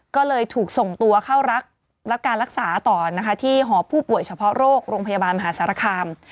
ก็เลยถูกส่งตัวเข้ารับการรักษาต่อนะคะที่หอผู้ป่วยเฉพาะโรคโรงพยาบาลมหาสารคาม